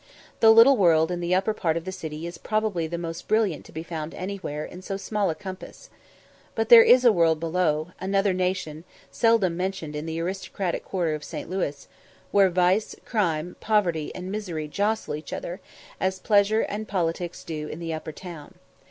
The little world in the upper part of the city is probably the most brilliant to be found anywhere in so small a compass. But there is a world below, another nation, seldom mentioned in the aristocratic quarter of St. Louis, where vice, crime, poverty, and misery jostle each other, as pleasure and politics do in the upper town.